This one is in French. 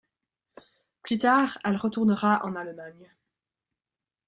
Plus tard, elle retourna en Allemagne.